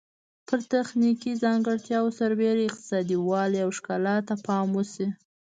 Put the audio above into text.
پر تخنیکي ځانګړتیاوو سربیره اقتصادي والی او ښکلا ته پام وشي.